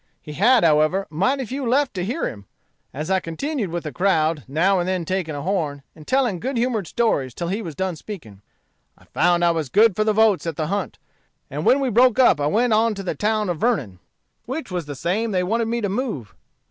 He had, however, mighty few left to hear him, as I continued with the crowd, now and then taking a horn, and telling good humored stories till he was done speaking. I found I was good for the votes at the hunt; and when we broke up I went on to the town of Vernon, which was the same they wanted me to move.